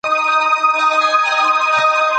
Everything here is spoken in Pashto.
تاسي په پښتو کي د ليک او لوست هڅي کوئ